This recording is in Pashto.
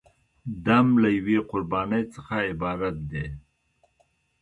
دم له یوې قربانۍ څخه عبارت دی.